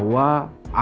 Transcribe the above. anda ibu kandungnya